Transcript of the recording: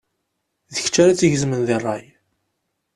D kečč ara tt-igezmen deg rray.